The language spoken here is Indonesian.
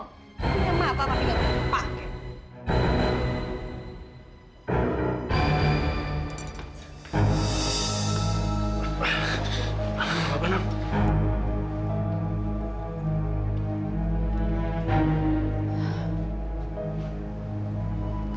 punya mata tapi gak pakai